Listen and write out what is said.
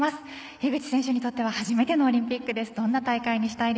樋口選手にとっては初めてのオリンピックです。